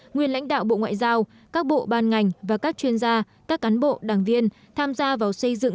nguyên lãnh đạo bộ ngoại giao các bộ ban ngành và các chuyên gia các cán bộ đảng viên tham gia vào xây dựng